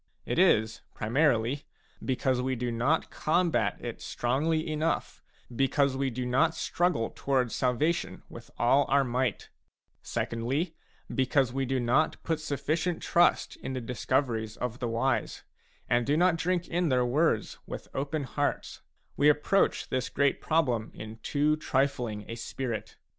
It is, primarily, because we do not combat it strongly enough, because we do not struggle towards salvation with all our might; secondly, because we do not put sufficient trust in the discoveries of the wise, and do not drink in their words with open hearts ; we approach this great problem in too trifling a spirit.